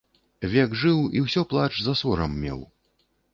Век жыў і ўсё плач за сорам меў.